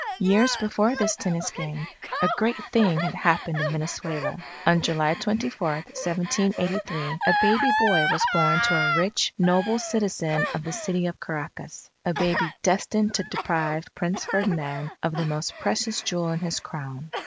Years before this tennis game, a great thing had happened in Venezuela. On July 24, 1783, a baby boy was born to a rich, noble citizen of the city of Caracas a baby destined to deprive Prince Ferdinand of the most precious jewel in his Crown.